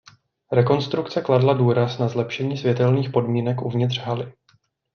Rekonstrukce kladla důraz na zlepšení světelných podmínek uvnitř haly.